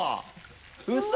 ウソ！